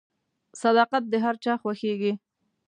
• صداقت د هر چا خوښیږي.